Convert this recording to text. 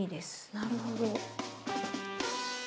なるほど。